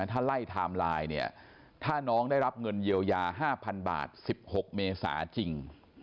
ถ้าไล่ไทม์ไลน์เนี่ยถ้าน้องได้รับเงินเยียวยา๕๐๐๐บาท๑๖เมษาจริง